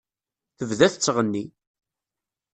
Tebda tettɣenni.